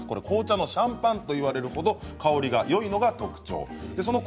紅茶のシャンパンと呼ばれるほど香りがよいのが特徴です。